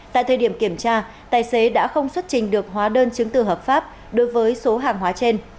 tại thời điểm kiểm tra tài xế đã không xuất trình được hóa đơn chứng từ hợp pháp đối với số hàng hóa trên